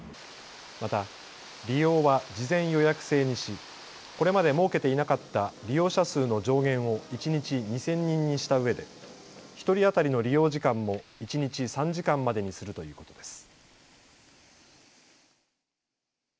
また利用は事前予約制にしこれまで設けていなかった利用者数の上限を一日２０００人にしたうえで１人当たりの利用時間も一日３時間までにするということです。